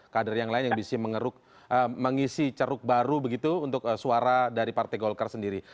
kader yang lain yang bisa mengisi ceruk baru begitu untuk suara dari partai golkar sendiri